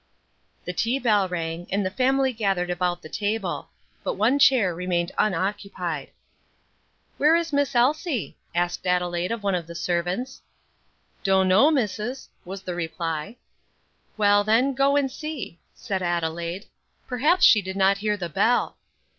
The tea bell rang, and the family gathered about the table; but one chair remained unoccupied. "Where is Miss Elsie?" asked Adelaide of one of the servants. "Dunno, missus," was the reply. "Well, then, go and see," said Adelaide; "perhaps she did not hear the bell."